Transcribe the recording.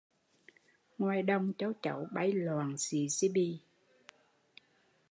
Ngoài đồng châu chấu bay loạn xị xi bì